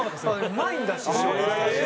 うまいんだ師匠。